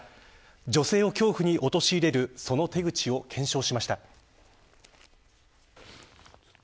女性を恐怖に陥れるその手口を検証しました。